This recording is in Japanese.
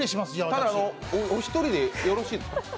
ただ、お一人でよろしいですか。